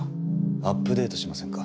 アップデートしませんか？